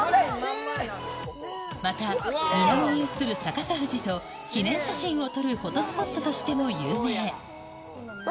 また、湖面に映る南富士と記念写真を撮るフォトスポットとしても有名。